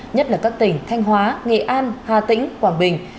nhất là các tỉnh thanh hóa nghệ an hà tĩnh quảng bình